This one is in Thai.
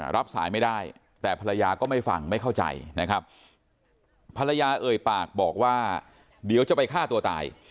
รับสายไม่ได้แต่ภรรยาก็ไม่ฟังไม่เข้าใจนะครับภรรยาเอ่ยปากบอกว่าเดี๋ยวจะไปฆ่าตัวตาย